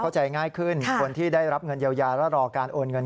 ง่ายขึ้นคนที่ได้รับเงินเยียวยาและรอการโอนเงิน